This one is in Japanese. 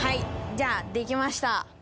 じゃあできました。